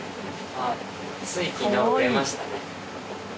あっつい昨日売れましたね